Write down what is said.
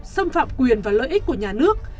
xâm phạm quyền và lợi ích của nhà nước